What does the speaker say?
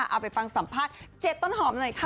เอาไปฟังสัมภาษณ์๗ต้นหอมหน่อยค่ะ